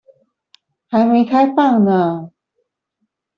還沒開放呢